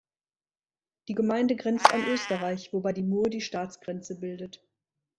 Die Gemeinde grenzt an Österreich, wobei die Mur die Staatsgrenze bildet.